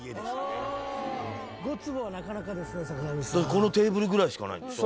このテーブルぐらいしかないんでしょ？